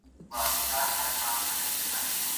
ولي محمد مخلص لعل محمد نورزى